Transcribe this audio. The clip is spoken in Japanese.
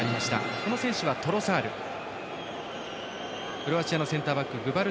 この選手はトロサール。